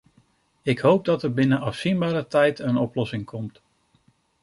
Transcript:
Ik hoop dat er binnen afzienbare tijd een oplossing komt.